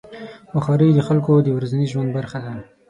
بخاري د خلکو د ورځني ژوند برخه ده.